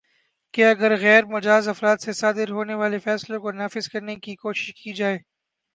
کہ اگرغیر مجاز افراد سے صادر ہونے والے فیصلوں کو نافذ کرنے کی کوشش کی جائے